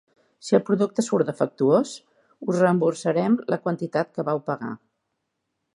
Si el producte surt defectuós, us reemborsarem la quantitat que vau pagar.